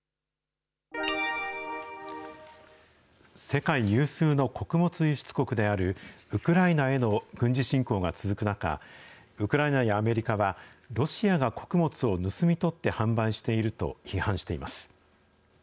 世界有数の穀物輸出国である、ウクライナへの軍事侵攻が続く中、ウクライナやアメリカはロシアが穀物を盗み取って販売していると批判しています。